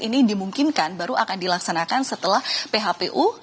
ini dimungkinkan baru akan dilaksanakan setelah phpu